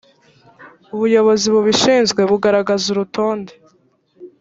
ubuyobozi bubishinzwe bugaragaza urutonde